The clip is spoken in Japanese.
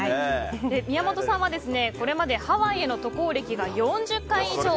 宮本さんはこれまでハワイへの渡航歴が４０回以上。